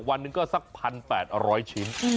วันนึงก็สัก๑๘๐๐ร้อยชิ้น